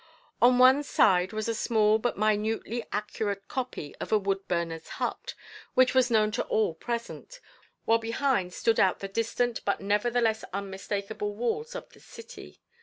On one side was a small but minutely accurate copy of a wood burner's hut, which was known to all present, while behind stood out the distant but nevertheless unmistakable walls of the city.